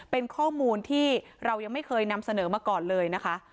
เป็นข้อมูลที่เรายังไม่เคยนำเสนอมาก่อนเลยนะคะ